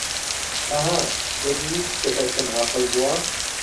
ئەها، دەبینیت کچەکەت چەند ئاقڵ بووە